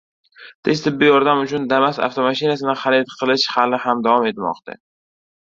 Tez tibbiy yordam uchun Damas avtomashinasini xarid qilish hali ham davom etmoqda